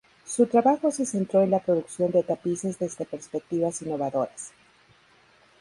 Su trabajo se centró en la producción de tapices desde perspectivas innovadoras.